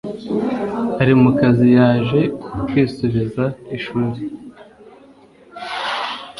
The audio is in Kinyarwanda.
ari mu kazi yaje kwisubiza mu ishuri